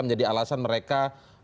menjadi alasan mereka